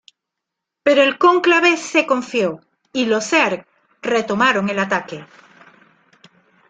Pero el Cónclave se confió y los Zerg retomaron el ataque.